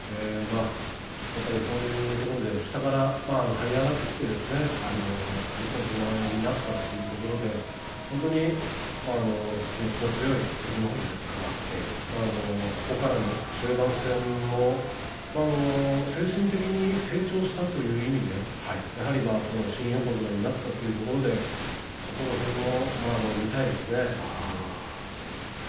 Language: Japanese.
やっぱりそういうところで下からはい上がってきて横綱になったというところで本当に気持ちの強い照ノ富士ですからここから終盤戦も精神的に成長したという意味で新横綱になったというところでそこら辺も見たいですね。